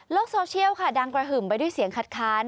โซเชียลค่ะดังกระหึ่มไปด้วยเสียงคัดค้าน